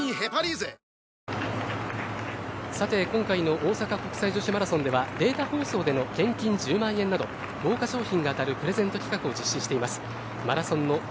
今回の大阪国際女子マラソンではデータ放送での現金１０万円など豪華賞品が当たるプレゼント企画を実施しています。